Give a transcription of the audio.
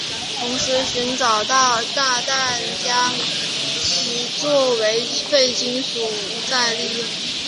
同时寻找到的炸弹将其作为废金属再利用。